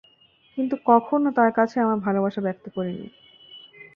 কিন্তু কখনো তার কাছে আমার ভালোবাসা ব্যক্ত করিনি।